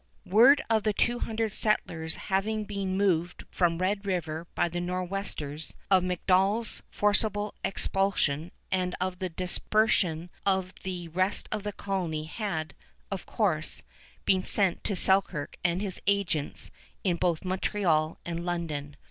Word of the two hundred settlers having been moved from Red River by the Nor'westers, of MacDonell's forcible expulsion, and of the dispersion of the rest of the colony had, of course, been sent to Selkirk and his agents in both Montreal and London.